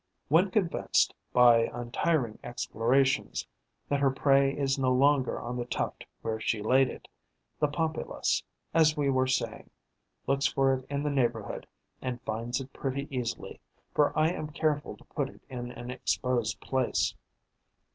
When convinced, by untiring explorations, that her prey is no longer on the tuft where she laid it, the Pompilus, as we were saying, looks for it in the neighbourhood and finds it pretty easily, for I am careful to put it in an exposed place.